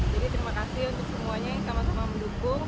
jadi terima kasih untuk semuanya yang sama sama mendukung